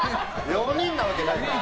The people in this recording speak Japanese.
４人なわけないじゃん！